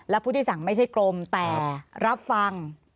รับภูติสั่งไม่ใช่กรมแต่รับฟัง